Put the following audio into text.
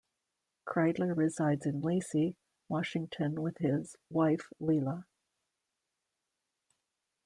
Kreidler resides in Lacey, Washington with his wife, Lela.